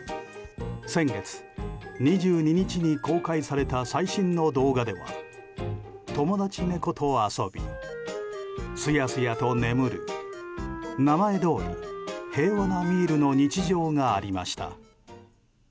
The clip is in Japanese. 先月２２日に公開された最新の動画では友達猫と遊び、すやすやと眠る名前どおり平和なミールの日常がありました。